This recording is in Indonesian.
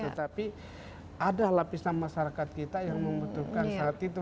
tetapi ada lapisan masyarakat kita yang membutuhkan saat itu